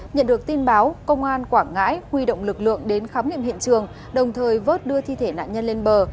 nhận được tin báo công an quảng ngãi huy động lực lượng đến khám nghiệm hiện trường đồng thời vớt đưa thi thể nạn nhân lên bờ